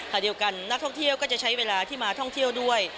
เดียวกันนักท่องเที่ยวก็จะใช้เวลาที่มาท่องเที่ยวด้วย